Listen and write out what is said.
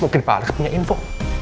mungkin pak alex punya info